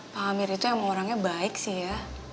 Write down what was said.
pak amir itu emang orangnya baik sih ya